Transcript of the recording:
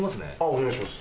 お願いします。